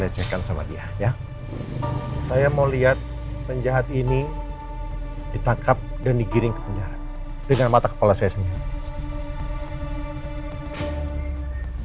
saya ya saya mau lihat penjahat ini ditangkap dan digiring ke penjara dengan mata kepala saya sendiri